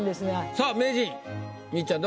さあ名人みっちゃん